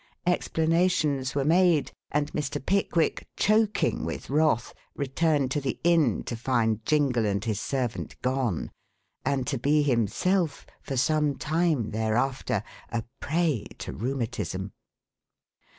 Explanations were made and Mr. Pickwick, choking with wrath, returned to the inn to find Jingle and his servant gone, and to be, himself, for some time thereafter, a prey to rheumatism.